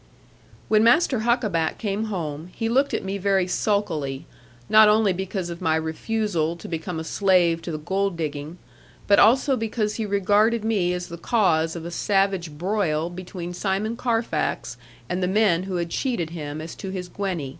When Master Huckaback came home, he looked at me very sulkily; not only because of my refusal to become a slave to the gold digging, but also because he regarded me as the cause of a savage broil between Simon Carfax and the men who had cheated him as to his Gwenny.